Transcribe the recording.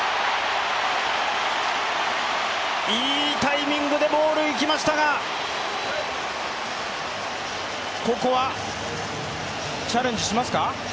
いいタイミングでボールいきましたがここはチャレンジしますか？